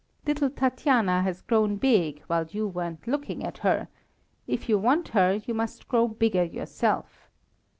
Little Tatiana has grown big while you weren't looking at her, if you want her you must grow bigger yourself.